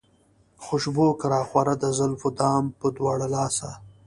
خوشبو که راخوره د زلفو دام پۀ دواړه لاسه